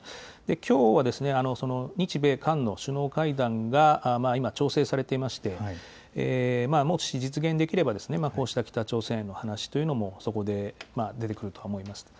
きょうは日米韓の首脳会談が今、調整されていまして、もし実現できれば、こうした北朝鮮への話というのもそこで出てくるとは思います。